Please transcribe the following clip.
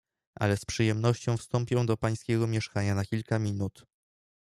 "Ale z przyjemnością wstąpię do pańskiego mieszkania na kilka minut."